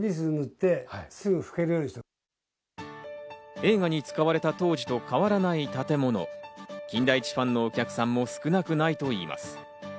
映画に使われた当時と変わらない建物、金田一ファンのお客さんも少なくないといいます。